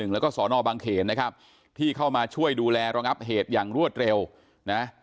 แล้วก็สอนอบางเขนนะครับที่เข้ามาช่วยดูแลระงับเหตุอย่างรวดเร็วนะ